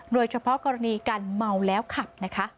โดยเฉพาะกรณีการเมาแล้วขับนะคะ